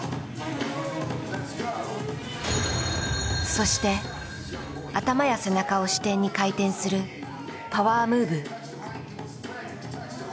そして頭や背中を支点に回転するパワームーブ。